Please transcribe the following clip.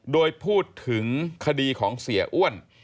โดยพูดถึงคดีของเสียอ้วน